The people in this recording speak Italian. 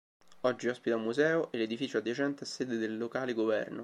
Oggi ospita un museo, e l'edificio adiacente è sede del locale governo.